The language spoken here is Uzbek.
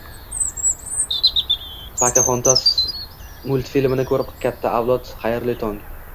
Pakaxontas multfilmini ko'rib katta bo'lgan avlod, xayrli tong!